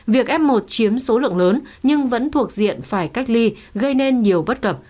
việc f một chiếm số lượng lớn nhưng vẫn thuộc diện phải cách ly gây nên nhiều bất cập